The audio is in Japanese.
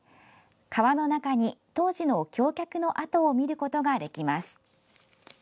川の中に、当時の橋脚の跡を見ることができます。